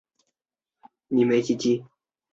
他以建设巩固万金天主堂及其教区为人所知。